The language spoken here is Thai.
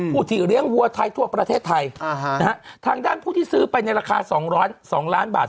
ผู้ที่เลี้ยงวัวไทยทั่วประเทศไทยทางด้านผู้ที่ซื้อไปในราคา๒ล้านบาท